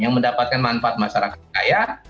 yang mendapatkan manfaat masyarakat kaya